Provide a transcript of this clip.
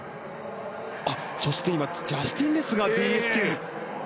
そして今ジャスティン・レスがＤＳＱ。